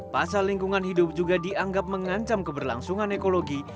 pasal lingkungan hidup juga dianggap mengancam keberlangsungan ekologi